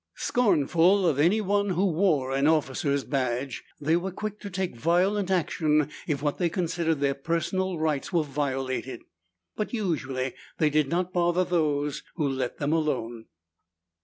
Scornful of anyone who wore an officer's badge, they were quick to take violent action if what they considered their personal rights were violated. But usually they did not bother those who let them alone.